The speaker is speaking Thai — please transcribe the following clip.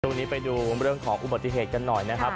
ตรงนี้ไปดูเรื่องของอุบัติเหตุกันหน่อยนะครับ